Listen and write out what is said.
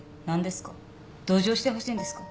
同情してほしいんですか？